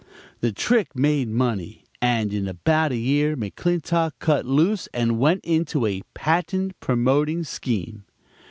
"The trick made money, and in about a year McClintock cut loose and went into a patent promoting scheme.